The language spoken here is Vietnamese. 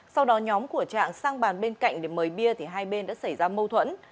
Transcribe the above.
sau đó nhóm của trạng sang bàn bên cạnh để mời bia thì hai bên đã xảy ra mâu thuẫn